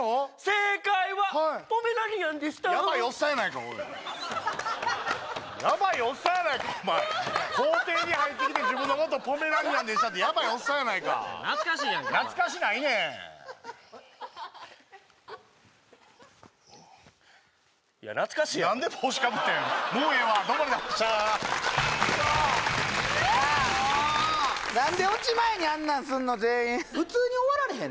正解はポメラニアンでしたヤバいおっさんやないかおいヤバいおっさんやないかお前校庭に入ってきて自分のことポメラニアンでしたってヤバいおっさんやないか懐かしいやんか懐かしないねんいや懐かしいやろもうええわどうもありがとうございました全員普通に終わられへん？